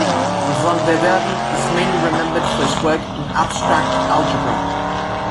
Van der Waerden is mainly remembered for his work on abstract algebra.